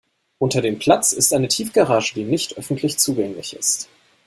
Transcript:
Unter dem Platz ist eine Tiefgarage, die nicht öffentlich zugänglich ist.